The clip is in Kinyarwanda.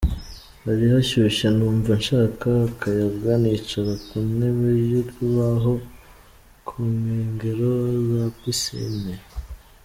Hari hashyushye numva nshaka akayaga nicara ku ntebe y’urubaho kunkengero za pisine.